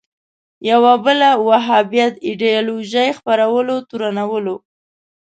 یوه بله وهابیت ایدیالوژۍ خپرولو تورنوله